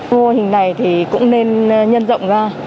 mua hình này thì cũng nên nhân rộng ra